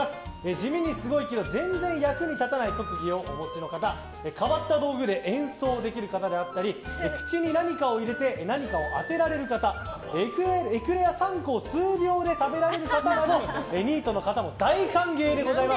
地味にすごいけど全然役に立たない特技をお持ちの方変わった道具で演奏できる方であったり口に何かを入れて何かを当てられる方エクレア３個をエステ行ってきます。